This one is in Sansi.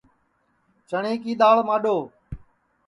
چٹؔیں کی دؔاݪ مانٚڈؔو